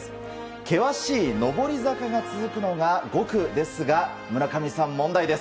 険しい上り坂が続くのが５区ですが村上さん、問題です。